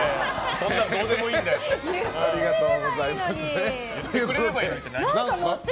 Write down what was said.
そんなのどうでもいいんだよって。